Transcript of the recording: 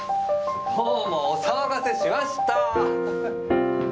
どうもお騒がせしました。